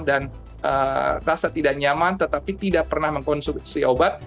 dan rasa tidak nyaman tetapi tidak pernah mengonsumsi obat